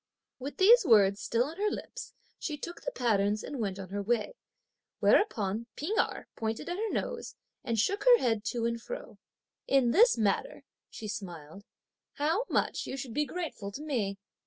With these words still on her lips, she took the patterns and went her way; whereupon P'ing Erh pointed at her nose, and shook her head to and fro. "In this matter," she smiled, "how much you should be grateful to me!"